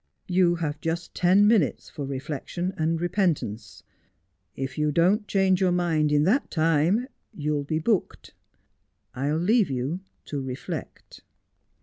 ' You have just ten minutes for reflection and repentance. If you don't change vour mind in that time you'll be booked. I'll leave you to reflect.'